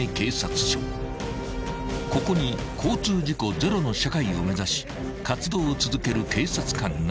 ［ここに交通事故ゼロの社会を目指し活動を続ける警察官がいる］